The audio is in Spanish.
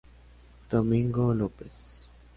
Domingo López.